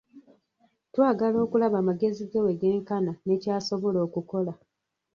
Twagala okulaba amagezi ge we genkana, ne ky'asobola okukola.